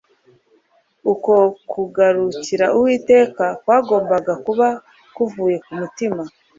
Uko kugarukira Uwiteka kwagombaga kuba kuvuye ku mutima